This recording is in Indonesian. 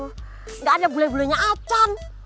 tidak ada bule bulenya acan